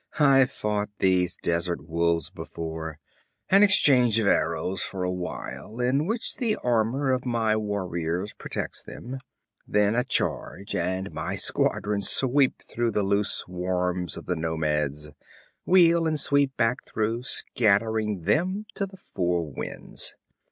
I've fought these desert wolves before an exchange of arrows for awhile, in which the armor of my warriors protects them then a charge and my squadrons sweep through the loose swarms of the nomads, wheel and sweep back through, scattering them to the four winds.